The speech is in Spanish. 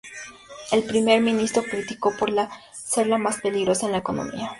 El primer ministro criticó por se la más peligrosa en la economía.